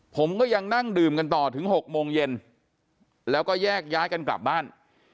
ผมก็ยังนั่งดื่มกันต่อถึง๖โมงเย็นแล้วก็แยกย้ายกันกลับบ้าน